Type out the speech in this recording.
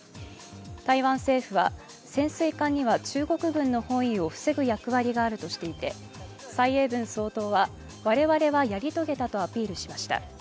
台湾政府は潜水艦には中国軍の包囲を防ぐ役割があるとして蔡英文総統は、我々はやり遂げたとアピールしました。